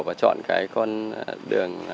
và chọn cái con đường